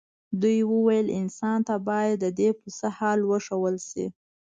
دوی وویل انسان ته باید ددې پسه حال وښودل شي.